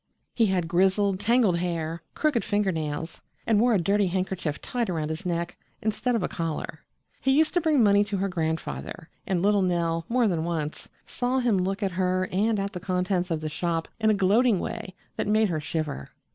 He had grizzled, tangled hair, crooked finger nails, and wore a dirty handkerchief tied around his neck, instead of a collar. He used to bring money to her grandfather, and little Nell more than once saw him look at her and at the contents of the shop in a gloating way that made her shiver.